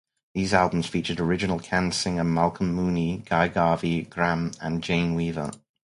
These albums featured original Can singer Malcolm Mooney, Guy Garvey, Gramme, and Jane Weaver.